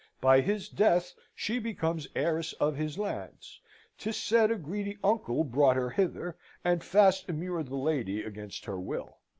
By his death, she becomes heiress of his lands. 'Tis said a greedy uncle brought her hither; and fast immured the lady against her will.